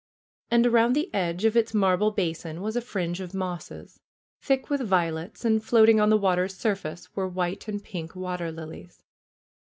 And around the edge of its mar ble basin was a fringe of mosses, thick with violets, and fioating on the water's surface were white and pink water lilies.